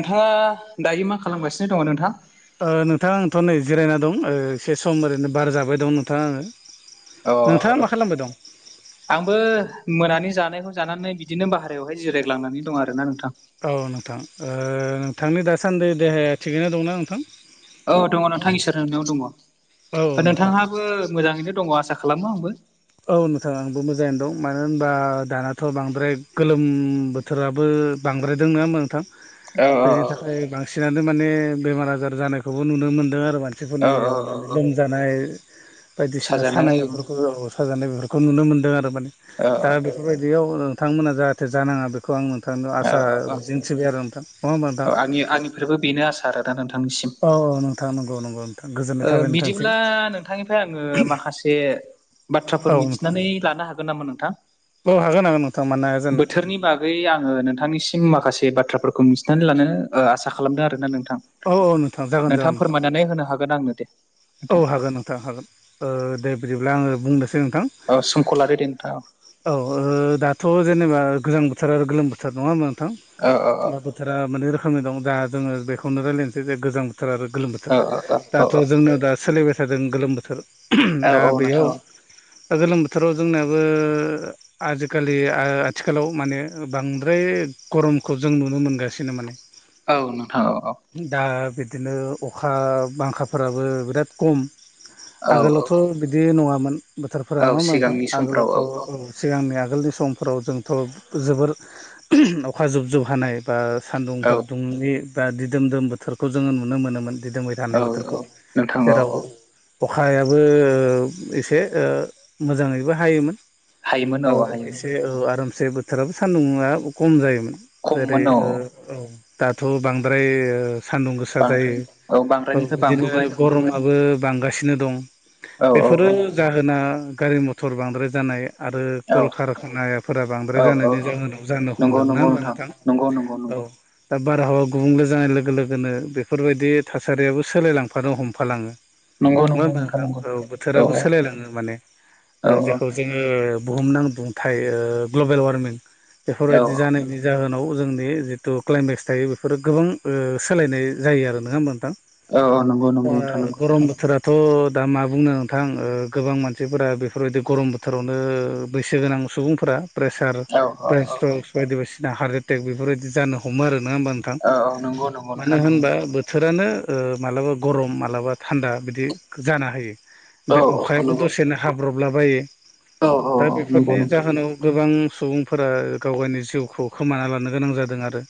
नोंथाङा दायो मा खालामगासिनो दङो नोंथां ओ नोंथां आंथ' नै जिरायना दं एसे सम ओरैनो बार जाबाय दं नोंथां आङो अ नोंथाङा मा खालामबाय दं आंबो मोनानि जानायखौ जानानै बिदिनो बाहेरायावहाय जिरायग्लांनानै दं आरो ना नोंथां औ नोंथां ओ नोंथांनि दासान्दि देहाया थिगैनो दंना नोंथां औ दङ नोंथां इसोर होनायाव दङ औ हो नोंथां नोंथांहाबो मोजाङैनो दङ आसा खालामो आंबो औ नोंथां आंबो मोजाङैनो दं मानो होनबा दानाथ' बांद्राय गोलोम बो थोराबो बांद्रायदों नङा होमबा नोंथां औ औ बेनि थाखाय बांसिनानो माने बेमार आजार जानायखौबो नुनो मोनदों आरो मान औ औ मानसिफोरनियाव माने औ लोमजानाय बायदिसिना साजानाय सानाय औ बेफोरखौ साजानाय बेफोरखौ नुनो मोनदों आरो माने औ दा बेफोरबायदियाव नोंथांमोना जाहाथे जानाङा बेखौ खौ आं नोंथांनो औ आसा औ मिजिंथिबाय आरो नोंथां नङा होमबा नोंथां औ आंनि आंनिफ्रायबो बेनो आसार दा नोंथांनिसिम औ औ नोंथां नंगौ नंगौ नोंथां गोजोननाय ओ थाबाय नोंथांसिम बिदिब्ला नोंथांनिफ्राय आङो माखासे औ बाथ्राफोर नोंथां मिथिनानै लानो हागोन नामा नोंथां औ हागोन हागोन नोंथां मानो हाया जानो गै आङो नोंथांनिसिम माखासे बाथ्राफोरखौ मिथिनानै लानो आसा खालामदों आरोना नोंथां औ औ जागोन जागोन नोंथां फोरमायनानै होनो हागोन आंनो दे औ नोंथां हागोन नोंथां हागोन ओ दे बिदिब्ला आङो बुंनोसै नोंथां औ संखला रेडि नोंथाङा औ ओ दाथ' जेनेबा गोजां बोथोर गोलोम बोथोर नङा होमबा औ नोंथां बोथा माने रोखोमनि दं दा जोङो बेखौनो रायज्लायनोसैे गोजां बोथोर आरो गोलोम औ बोथोर औ औ दाथ' जोंनाव दा सोलिबाय थादों गोलोम बोथोर औ दा औ नोंथां बेयाव औ दा गोलोम बोथोराव जोंनाबो आजिखालि ओ आथिखालाव माने बांद्राय गरमखौ जों नुनो मोनगासिनो माने औ नोंथां औ औ दा बिदिनो अखा बांखाफोराबो बिराद खम औ आगोलावथ' बिदि नङामोन बोथोरफोरा औ नङामोन नोंथां सिगांनि समफ्राव औ आगोलावथ' सिगांनि आगोलनि समफोराव जोंथ' जोबोर अखा जुब जुब हानाय बा औ सान्दुंफोर दुंनि बा दिदोमदोम बोथोरखौ जोङो नुनो मोनोमोन दिदोमै औ थानाय बोथोरखौ औ नोंथां औ जेराव औ अखायाबो एसे मोजाङैबो हायोमोन हायोमोन औ हायोमोन एसे आरामसे बोथोराबो सान्दुंआ खम जायोमोन जेरै खममोन औ औ दाथ' बांद्राय सान्दुं गोसा जायो बांद्राय औ बांद्रायनिफ्राय बिदिनो बांबोबाय गरमाबो बांगासिनो दं औ बेफोरो औ जाहोना गारि मथर बांद्राय जानाय आरो औ कल कारखानायाफोरा बांद्राय औ औ जानायनि औ जाहोनाव जानो नंगौ हमदोंना नंगौ नोंथां नंगौ नंगौ दा बारहावा गुबुंले जानाय लोगो लोगोनो बेफोरबायदि थासारियाबो सोलायलांफानो हमफालाङो नंगौ नङा नंगौ होनबा नोंथां नंगौ औ बोथोराबो सोलायलाङो माने औ औ जायखौ जोङो बुहुम नांथाय ओ ग्लबेल वारमिं औ बेफोरबायदि जानायनि जाहोनाव जोंनि जिथु क्लाइमेक्स थायो बेफोरो गोबां ओ सोलायनाय जायो आरो नङा होमबा नोंथां? औ औ ओ नंगौ। नंगौ नोंथां नंगौ गरम बोथोर थ' दा मा बुंनो नोंथां ओ गोबां मानसिफोरा बेफोरबायदि गरम बोथोरावनो बैसो गोनां सुबुंफोरा प्रेसार औ औ ब्रेइन औ स्ट्रक्स बायदिसिना हार्ट एटेक बेफोरबायदि जानो हमो आरो नङा होमबा नों थां औ औ नंगौ नंगौ मानो नोंथां नंगौ होनबा थोरानो ओ माब्लाबा गरम मालाबा थान्दा बिदि जानो हायो। औ ओमफ्राय अखायाबो नंगौ दसेनो हाब्रबलाबायो औ दा औ नंगौ बेफोरनि नोंथां जाहोनाव गोबां सुबुंफोरा गाव गावनि जिउखौ खोमाना लानो गोनां जादों आरो।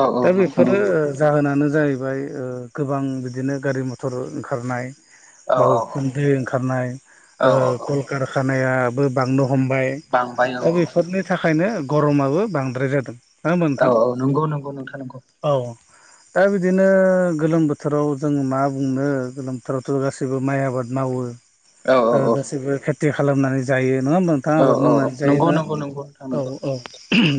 औ औ दा नोंथां औ बेफोरो जाहोनानो जाहैबाय ओ गोबां बिदिनो गारि मथर ओंखारनाय बा औ उखुन्दै ओंखारनाय औ औ ओ कारखानायाबो बांनो हमबाय बांबाय औ दा बेफोरनि बे थाखायनो गरमाबो बांद्राय जादों। नङा होमबा औ नोंथां औ नंगौ नंगौ नोंथां नंगौ। औ दा बिदिनो गोलोम बोथोराव जों मा बुंनो गोलोमथारावथ' ओ गासैबो माइ आबाद मावो औ औ गासैबो खे थि खालामनानै जायो नङा होमबा नोंथां? औ आबाद औ मावनानै जायो नंगौ ना नंगौ नंगौ नोंथां औ नंगौ औ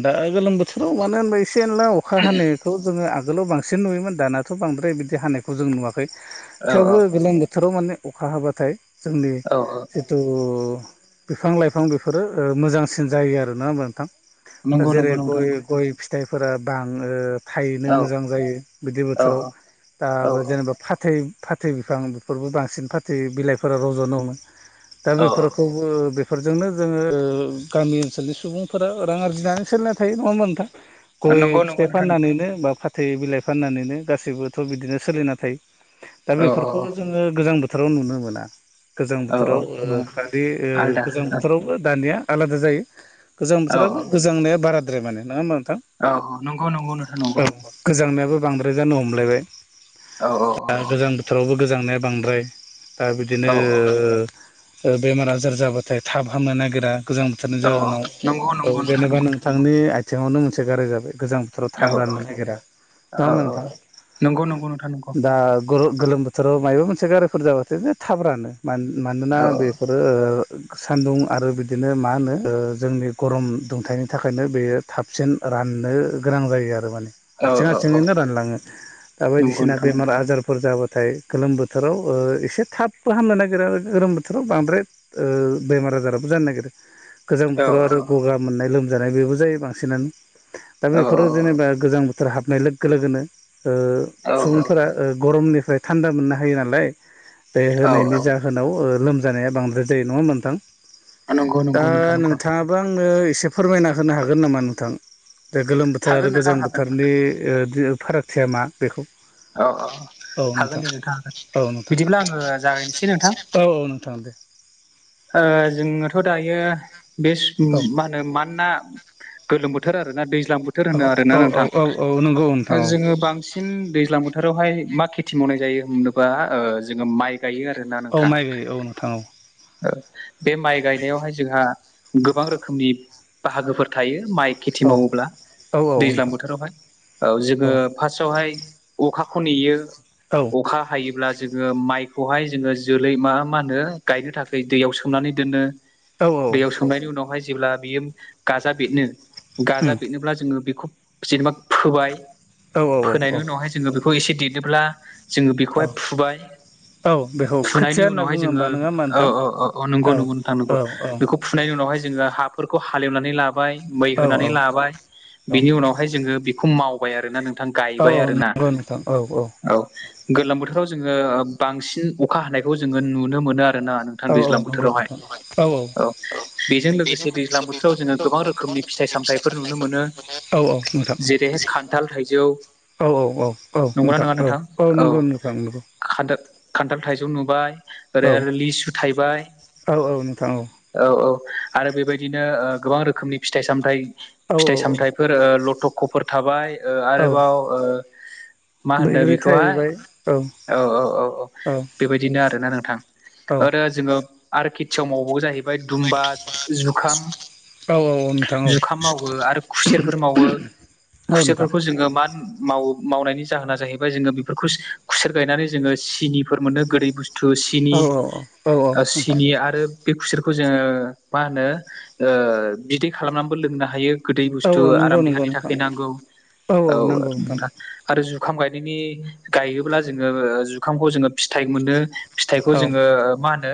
दा गोलोम बोथोराव मानो होनबा एसे एनला अखा हानाय थ' जोङो आगोलाव बांसिन नुयोमोन दानाथ' बांद्राय बिदि हानायखौ जों नुवाखै। औ थेवबो गोलोम बोथोराव माने अखा हाब्लाथाय जोंनि औ औ खिथु बिफां लाइफां बेफोरो ओ मोजांसिन जायो आरो ना होमबा नोंथां। हो नंगौ जेरै नंगौ नोंथां गय नंगौ गय फिथाइफोरा बांङो थायनो औ मोजां जायो बिदि औ बोथोराव औ बा जेनेबा फाथै फाथै बिफां बेफोरबो बांसिन फाथै बिलाइफोरा रज'नो हमो। दा बेफोरखौ बेफोरजोंनो जोङो ओ गामि ओनसोलनि सुबुंफोरा रां आरजिनानै सोलिनाय थायो नङा होमबा नोंथां? गय नंगौ नंगौ फिथाइ नोंथां नंगौ फाननानैनो बा फाथै बिलाइ फाननानैनो गासैबोथ' बिदिनो सोलिना थायो। दा औ बेफोरखौ जोङो गोजां बोथोराव नुनो मोना। गोजां औ बोथोराव औ ओ औ खालि ओ आलदा गोजां औ बोथोरावबो दानिया आलादा जायो। गोजां औ बोथोराबो गोजांनाया बाराद्राय माने नङा होनबा नोंथां? औ नंगौ नंगौ नोंथां औ नंगौ। गोजांनायाबो बांद्राय जानो हमलायबाय। औ औ दा गोजां बोथोरावबो गोजांनाया बांद्राय दा ओ बिदिनो औ औ ओ ओ बेमार आजार जाबाथाय थाब हामनो नागिरा गोजां बोथोरनि औ जाहोनाव नंगौ औ नंगौ नोंथां जेनेबा नंगौ नों नोंथांनि आइथिङावनो मोनसे गारि जाबाय गोजां बोथोराव औ थाब औ राननो नागिरा नङा औ होमबा औ नोंथां? नंगौ नंगौ नोंथां नंगौ। ग्र' गोलोम बोथोराव मायबा मोनसे गारिफोर जाबाथाय बे थाब रानो मानोना औ बेफोर ओ ओ आरो सान्दुं आरो बिदिनो ओ मा होनो जोंनि गरम दुंथनि थाखायनो बेयो थाबसिन राननो गोनां जायो आरो माने औ हारसिं औ औ हारसिङैनो रानलाङो दा नंगौ बायदिसिना नोंथां बेमार आजारफोर जाबाथाय गोलोम बोथोराव ओ एसे थाबबो हामनो नागिरा गोलोम बोथोराव बांद्राय ओ बेमार आजाराबो जानो नागिरो गोजां औ बोथोराव आरो गगा मोननाय लोमजानाय बेबो जायो बांसिनानो। दा औ बेफोराव जेनेबा गोजां बोथोर हाबनाय लोगो लोगोनो ओ औ सुबुंफोरा ओ गरमनिफ्राय थान्दा मोननो हायो नालाय बे औ होनायनि जा होननाव ओ लोमजानाया बांद्राय जायो नङा होनबा नोंथां? नंगौ दा नंगौ नोंथां नंगौ नोंथाङा बो आंनो एसे फोरमायना होनो हागोन नामा नोंथां? जे गोलोम बोथोर आरो हागोन नोंथां गोजां हागोन बोथोरनि फारागथिया मा बेखौ। औ औ हागोन दे नोंथां हागोन औ नोंथां बिदिब्ला आङो जागायनोसै नोंथां। औ औ नोंथां दे जोोथ' दायो बे औ मा होनो मानोना। गोलोम बोथोर आरो ना दैज्लां बोथोर औ होनो आरोना औ औ नोंथां औ औ नंगौ दा नोंथां औ जोङो बांसिन। बांसिन दैज्लां बोथोरावहाय मा खेथि मावनाय जायो होनोबा जोङो माइ गायो आरोना औ नोंथां। माइ गायो औ नोंथां औ बे माइ गायनायावहाय जोंहा गोबां रोखोमनि बाहागोफोर। थायो माइ खेथि औ मावोब्ला औ औ दैज्लां नोंथां बोथोरावहाय औ जोङो फार्स्टआवहाय। अखाखौ नेयो औ। अखा हायोब्ला जोङो माइखौहाय जोङो जोलै मा मा होनो गायनो थाखाय दैयाव सोमनानै दोनो। औ दैयाव सोमनायनि उनावहाय जेब्ला बियो गाजा बेदनो गाजा बेरनोब्ला जोङो बेखौ जेनेबा फोबाय औ फोनायनि उनावहाय जों जोङो बेखौ एसे देरनोब्ला जोङो औ बेखौहाय फुबाय। औ बेखौ फुनायनि खोथिया होनना उनावहाय बुङो जोङो होमबा नङा होमबा नोंथां औ नंगौ नंगौ नोंथां औ नगौ औ बेखौ। फुनायनि उनावहाय जोङो हाफोरखौ हालेवनानै लाबाय मै होनानै लाबाय। औ बिनि उनावहाय जोङो बेखौ मावबाय आरोना नोंथां औ गायबाय आरो ना। औ नंगौ नोंथां औ औ। औ गोलोम बोथोराव जोङो बांसिन अखा हानायखौ जोङो नुनो मोनो आरो। ना नोंथां औ औ दैज्लां नंगौ बोथोरावहाय नोंथां औ बेजों लोगोसे दैज्लां बोथोराव जोो गोबां रोखोमनि फिथाइ सामथायाइफोर नुनो मोनो औ औ नोंथां जेरैहाय खान्थाल, थाइजौ औ औ औ औ नोंथां औ औ नंगौ नोंथां नंगौ। खान्थाल खान्थाल थाइजौ नुबाय ओरै औ आरो लिसु थाइबाय। औ औ नोंथां औ औ आरो बेबायदिनो गोबां रोखोमनि फिथाइ सामथाय औ फिथाइ-सामथाय। फोर लथख'फोर थाबाय औ औ आरोबाव मा होनदों बैग्रि बेखौहाय थाहैबाय औ औ औ औ। बेबायदिनो आरोोना नोंथां आरो जोङो। आरो खेथियाव मावो जाहैबाय दुमबा जुखाम। औ औ नोंथां औ जुखाम मावो आरो खुसेरफोर मावो औ नोंथां खुसेरफोरखौ जोङो मा माव मावनायनि जाहोना जाहैबाय जोङो बेफोरखौ खुसेर गायनानै जोङो सिनिफोर मोनो गोदै बुस्थु थु सिनि औ औ औ नोंथां सिनि आरो। बे खुसेरखौ जोङो मा होनो बिदै खालामनानैबो लोंनो हायो। गोदै औ बुस्थु औ नंगौ आराम नंगौ देहानि नोंथां थाखाय नांगौ औ। आरो जुखाम गायनायनि गायोब्ला जोङो जुखामखौ जोङो फिथाइ मोनो। फिथाइखौ औ जोङो मा होनो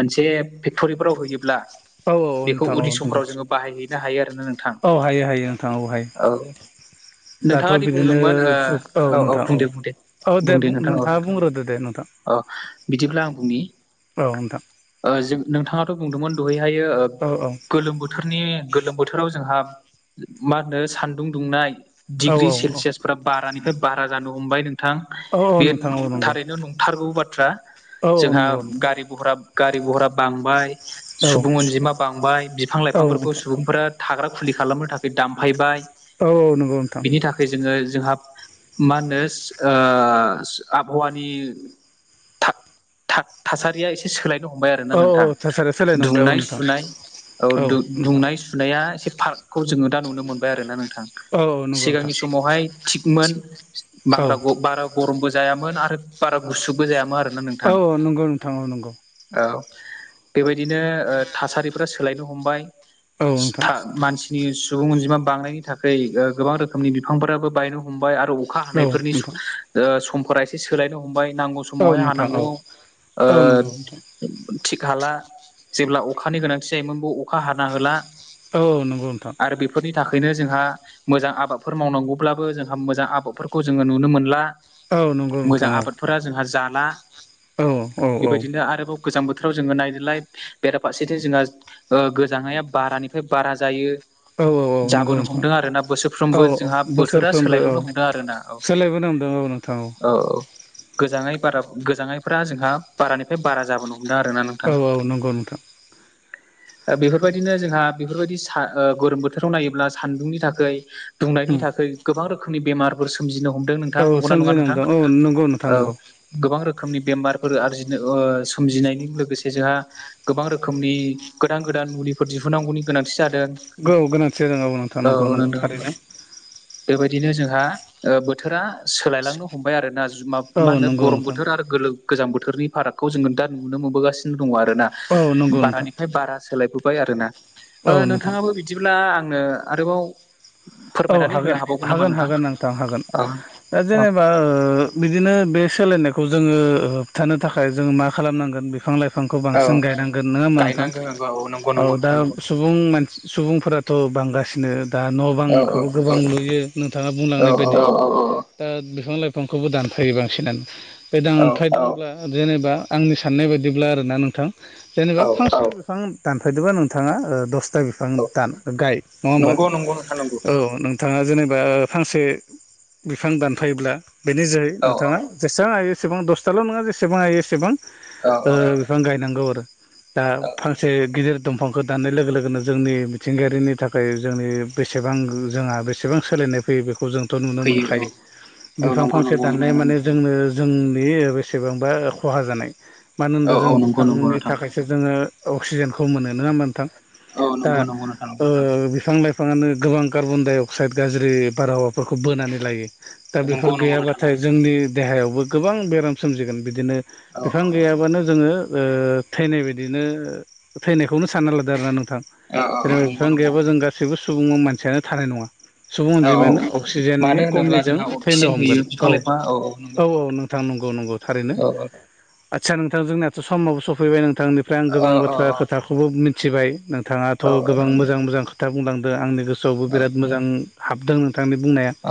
मोनसे फेक्टरिफोराव होयोब्ला औ औ बेखौ नोंथां उननि औ नंगौ समफोराव जोङो बाहायहैनो हायो आरोना नोंथां औ हायो हायो नोंथां हायो औ। दाथ नोंथाङा दि बिदिनो बुंदोंमोन ओ औ नोंथां औ। औ दे बुंदे नोंथां औ नोंथाङा बुंग्रोदो दे नोंथां औ बिदिब्ला आं बुंनि औ नोंथां। नोंथाङाथ बुंदोंमोन दहैहाय औ औ गोलोम बोथोर। बोथोरनि गोलोम बोथोराव जोंहा मा होनो सानदुं दुंनाय औ डिग्रि औ सेलसियास फ्रा बारानिफ्राय बारा जानो हमबाय नोंथां औ बे नोंथां औ नंगौ थारैनो नंथारगौ बाथ्रा। औ औ जोंहा नंगौ नोंथां गारि भहरा। गारि गुरा बांबाय औ सुबुं अनजिमा बांबाय बिफां औ लाइफांफोरखौ नोंथां सुबुंफोरा। थाग्रा खुलि खालामनो थाखाय दामफायबाय औ औ नंगौ। नि थाखाय जोङो जोंहा मा होनो आबहावानि थासारिया एसे सोलाय हमबाय आरोना औ औ थासारिया सोलायनांबाय औ नोंथांनाय नोंथां सुनाय औ नोंथां औनाय सुनाया एसे पार्कखौ जोङो दा नुनो मोनबाय आरो ना नोंथां औ नंगौ नोंथां सिगांनि समावहाय थिगमोन बां औ बारा गरमबो जायामोन आरो बारा गुसुबो जायामोन आरो औ औ नंगौ नोंथां औ नंगौ औ बेबायदिनो थासारिफ्रा सोलायनो हमबाय औ नोंथां मानसिनि सुबुं अनजिमा बांनायनि थाखाय गोबां रोखोमनि बिफांफोराबो बायनो हमबाय आरो अखा औ हानायफोरनि नोंथां समफोरा एसे सोलायनो हमबाय नांगौ औ समावहाय नोंथां औ हानांगौ औ नंगौ नोंथां थिग हाला जेब्ला अखानि गोनांथि जायोमोनबो अखा हाना होला औ नंगौ नोंथां आरो बेफोरनि थाखायनो जोंहा मोजां आबादफोर मावनांगौब्लाबो जोंहा मोजां आबादफोरखौ जोङो नुनो मोनला औ नंगौ नोंथां मोजां आबादफोरा जोंहा जाला औ औ औ बेबायदिनो आरोबाव गोजां बोथोराव जोङो नायदोलाय बेराफारसेथिं जोंहा गोजांनाया बारानिफ्राय बारा जायो औ औ नंगौ जाबोनो नोंथां हमदों आरो ना औ बोसोरफ्रोमबो औ जोंहा बोथोरा बोसोरफ्रोमबो औ सोलायबोनो हमदों आरोना औ सोलायबोनो हमदों औ नोंथां औ औ गोजाङै बारा गोजाङैफ्रा जोंहा बारानिफ्राय बारा जाबोनो हमदों आरोना नोंथां औ औ नंगौ नोंथां बेफोरबायदिनो जोंहा बेफोरबायदि स गोलोम बोथोराव नायोब्ला सान्दुंनि थाखाय दुंनायनि थाखाय गोबां रोखोमनि बेमारफोर सोमजिनो हम औ नोंथां नंगौना नङा सोमजिनो नोंथां हमदों औ नंगौ नोंथां औ नंगौ गोबां रोखोमनि बेमारफोर आरजिनो सोमजिनायजों लोगोसे जोंहा गोबां रोखोमनि गोदान गोदान मुलि फोर दिहुनांगौनि गोनांथि जादों औ गोनांथि जादों नोंथां औ नंगौ नंगौ नोंदों थारैनो बेबायदिनो जोंहा बोथोरा सोलायलांनो हमबाय आरो ना मा औ होनो नंगौ गरम नोंथां बोथोर आरो गोल गोजां बोथोरनि फारागखौ जोङो दा नुनो मोनबोगासिनो दङ आरोना औ नंगौ नोंथां बारानिफ्राय बारा सोलायबोबाय आरोना औ नोंथां नोंथाङाबो बिदिब्ला आंनो आरोबाव औ फोरमायनानै होनो हागोन हाबावगोन नामा हागोन हागोन नोंथां हागोन औ दा औ जेनेबा बिदिनो बे सोलायनायखौ जोङो होबथानो थाखाय जोङो मा खालामनांगोन बिफां-लाइफां बिफांखौ औ बांसिन गायनांगोन नङा होमा नोंथां गायनांगौ नंगौ नंगौ औ नंगौ दा नोंथां नंगौ सुबुं मानसि सुबुंफोराथ' बांगासिनो दा न' बां औ खौबो गोबां नुयो नोंथाङा औ बुंलांनाय औ बायदि दा बिफां लाइफांखौबो दानफायो बांसिनानो बे औ दानफायदों होनब्ला जेनेबा आंनि साननाय बायदिब्ला आरोना नोंथां जेनेबा औ फांसे बिफां दानफायदोंबा नोंथाङा दसथा बिफां दान गाय नङा होमबा थानांगौ औ नोंथाङा जेनेबा फांसे बिफां दानफायोब्ला बेनि जोहै औ नोंथाङा जेसेबां हायो एसेबां दसथाल' नङा जेसेबां हायो एसेबां औ बिफां गायनांगौ आरो दा औ फांसे गेदेर बिफांखौ दाननाय लोगो लोगोनो जोंनि मिथिंगायारिनि थाखाय जोंनि बेसेन बां जोंहा बेसेबां सोलायनाय फैयो बेखौ जों थ' नुनो फैयो मोनखायो औ औ बिफां नंगौ फांसे नंगौ दाननाया नोंथां माने जोंनो जोंनि बेसेबांबा खहा जानाय मानो औ होनबा औ जों नंगौ नंगौ बिथांनि नोंथां थाखाय जोङो अक्सिजेनखौ मोनो नङा नोंथां औ दा नंगौ नंगौ नोंथां नंगौ बिफां-लाइफां ङानो गोबां कार्बन डाइ अक्साइड गाज्रि बारहावाफोरखौ बोनानै लायो। दा बेफोर नंगौ नंगौ नोंथां गैयाबाथाय नंगौ जोंनि देहायावबो गोबां बेराम सोमजिगोन बिदिनो औ बिफां गैयाबानो जोङो ओ थैनाय बायदिनो थैनायखौनो सानना लादो आरोना नोंथां औ औ जेनेबा नंगौ बिफां नंगौ गैयाबा जों गा गासैबो सुबुं मानसियानो थानाय नङा। सुबुं औ औ अनजिमायानो अक्सिजेननि मानो होनोब्ला खमिजों जोंहा थैनो अक्सिजेन होयो हमगोन औ बिफां लाइफां नंगौ औ औ नोंथां नंगौ नंगौ। थारैनो औ आदसा नोंथां जोंनाथ' समावो सौफैबाय नोंथांनिफ्राय आं औ गोबां बाथ्रा औ खोथाखौबो मिथिबाय नों थाङाथ' औ गोबां मोजां मोजां खोथा बुंलांदो आंनि गोसोआवबो बिराद मोजां हाबदों नोंथांनि बुंनाया। अ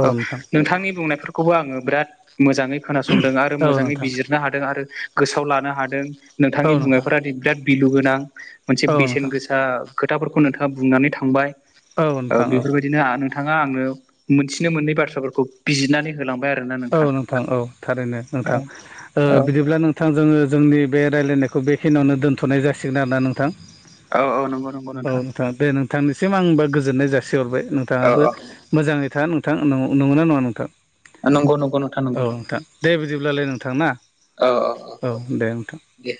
औ अ नोंथां नोंथांनि बुंनायफोरखौबो आङो बिराद मोजाङै। खोनासंदों आरो औ मोजाङै नोंथां बिजिरनो हादों आरो गोसोआव लानो हादों। औ नोंथांनि नोंथां बुंनायफोरा दिगदाद बिलु गोनां मोनसे औ बेसेन नोंथां गोसा खोथाफोरखौ नोंथाङा बुंनानै थांबाय औ ओ नोंथां औ बेफोरबायदि नोआ नोंथाङा आंनो मोनथिनो मोननै बाथ्राफोरखौ बिजिदनानै औ नोंथां औ थारैनो औ नोंथां ओ बिदिब्ला नों थांजों जोंनि बे रायलायनायखौ बे खिनियावनो दोनथ'नाय जासिगोन आरोना नोंथां। औ औ नंगौ नंगौ औ नोंथां दे नोंथांनिसिम आंबा गोजोननाय जासिहरबाय औ नोंथाङाबो मोजाङै था नोंथां नं-नंगा नङा नोंथां? औ नंगौ नंगौ नोंथां औ नंगौ नोंथां दे बिदिब्लालाय नोंथां ना औ दे नोंथां। दे